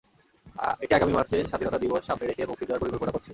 এটি আগামী মার্চে স্বাধীনতা দিবস সামনে রেখে মুক্তি দেওয়ার পরিকল্পনা করছি।